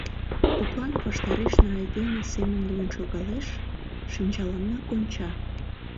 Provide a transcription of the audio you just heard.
Коклан ваштарешна айдеме семын лийын шогалеш, шинчаланна конча.